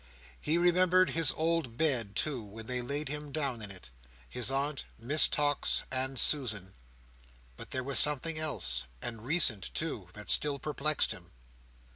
He remembered his old bed too, when they laid him down in it: his aunt, Miss Tox, and Susan: but there was something else, and recent too, that still perplexed him.